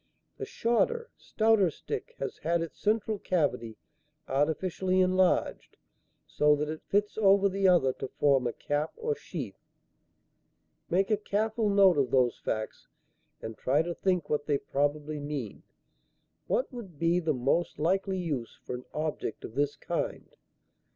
The shorter, stouter stick has had its central cavity artificially enlarged so that it fits over the other to form a cap or sheath. Make a careful note of those facts and try to think what they probably mean; what would be the most likely use for an object of this kind.